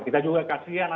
kita juga kasihan anak anak